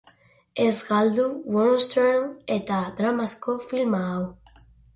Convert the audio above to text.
Ez galdu western eta dramazko filma hau!